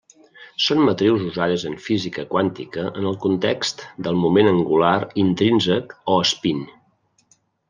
Són matrius usades en física quàntica en el context del moment angular intrínsec o espín.